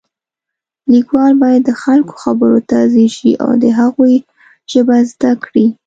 لیکوال باید د خلکو خبرو ته ځیر شي او د هغوی ژبه زده کړي